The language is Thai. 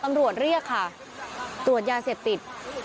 ตำรวจเรียกค่ะตรวจยาเสพติด